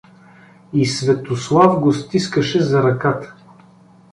— И Светослав го стискаше за ръката.